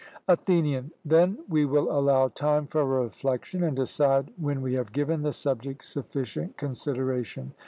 ATHENIAN: Then we will allow time for reflection, and decide when we have given the subject sufficient consideration.